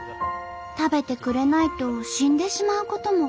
食べてくれないと死んでしまうことも。